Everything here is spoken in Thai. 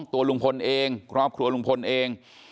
ตัวลุงพลเองครอบครัวลุงพลเอง